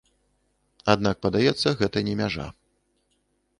Аднак падаецца, гэта не мяжа.